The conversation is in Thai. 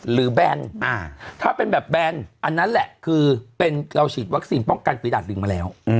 แบนถ้าเป็นแบบแบนอันนั้นแหละคือเป็นเราฉีดวัคซีนป้องกันฝีดาดลิงมาแล้ว